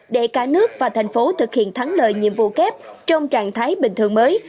để cả nước và thành phố thực hiện thắng lợi nhiệm vụ kép trong trạng thái bình thường mới